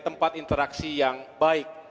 tempat interaksi yang baik